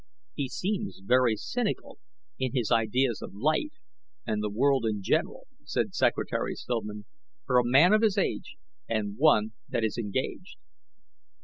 "He seems very cynical in his ideas of life and the world in general," said Secretary Stillman, "for a man of his age, and one that is engaged."